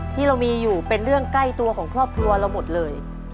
ที่เรามีอยู่เป็นเรื่องใกล้ตัวของครอบครัวเราหมดเลย